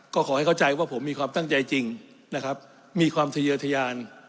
ก็ขอให้เข้าใจว่าผมมีความตั้งใจจริงนะครับมีความทะเยอทยาน